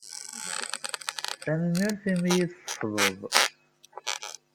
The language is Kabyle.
Tanemmirt imi ay iyi-tessafḍeḍ.